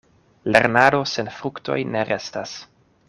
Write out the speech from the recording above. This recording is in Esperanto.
Lernado sen fruktoj ne restas.